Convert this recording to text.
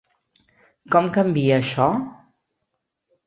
Com canvia això?